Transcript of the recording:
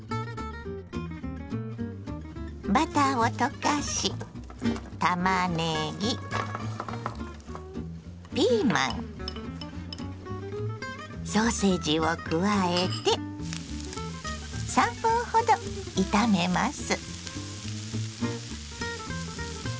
バターを溶かしたまねぎピーマンソーセージを加えて３分ほど炒めます。